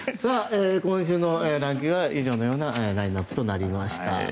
今週のランキングは以上のようなラインアップとなりました。